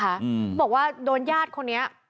เขาบอกว่าโดนญาติคนนี้